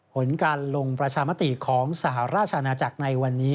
ผลการลงประชามติของสหราชอาณาจักรในวันนี้